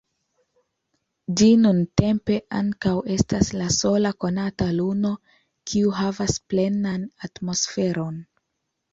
Ĝi nuntempe ankaŭ estas la sola konata luno, kiu havas plenan atmosferon.